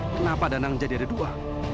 kenapa danang jadi ada dua